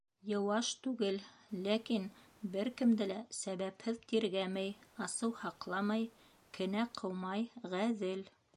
Йыуаш түгел, ләкин бер кемде лә сәбәпһеҙ тиргәмәй, асыу һаҡламай, кенә ҡыумай, ғәҙел.